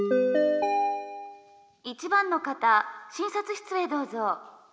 １番の方診察室へどうぞ。